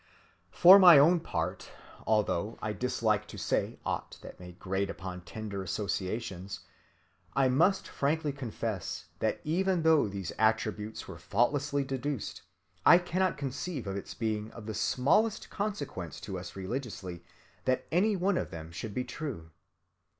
For my own part, although I dislike to say aught that may grate upon tender associations, I must frankly confess that even though these attributes were faultlessly deduced, I cannot conceive of its being of the smallest consequence to us religiously that any one of them should be true.